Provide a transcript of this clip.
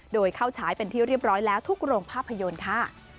โดยเข้าฉายเป็นที่เรียบร้อยแล้วทุกโรงภาพยนตร์ค่ะ